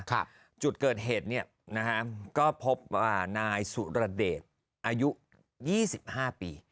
ค่ะจุดเกิดเหตุเนี่ยนะฮะก็พบอ่านายสุรเดชอายุยี่สิบห้าปี